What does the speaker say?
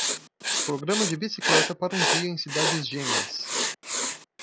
Programa de bicicleta para um dia em cidades gêmeas